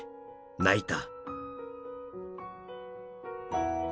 「泣いた」